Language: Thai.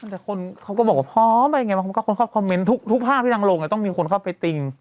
แต่คนเขาก็บอกว่าผอมอะไรอย่างนี้มันก็คนเขาคอมเม้นท์ทุกภาพที่นั่งลงเนี่ยต้องมีคนเขาไปติ้ง